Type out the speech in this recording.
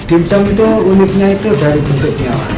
dimsung itu uniknya itu dari bentuknya